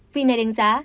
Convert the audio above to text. vì này đánh giá